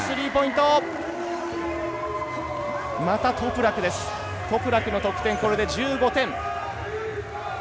トプラクの得点これで１５点。